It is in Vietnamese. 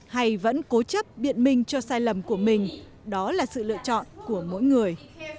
hay vẫn cố chấp biện minh cho sai lầm của mình đó là sự lựa chọn của mỗi người